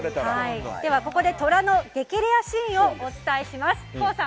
ここでトラの激レアシーンをお伝えします。